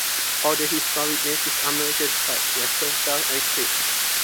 Other historic Native American tribes were Choctaw and Creek.